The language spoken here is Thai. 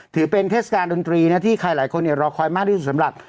ถือเป็นเทศกาลดนตรีนะที่ใครหลายคนรอคอยมากที่สุดสำหรับ